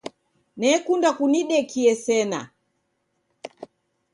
Nekunda kunidekie sena.